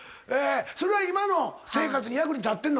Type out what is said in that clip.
それは今の生活に役に立ってんの？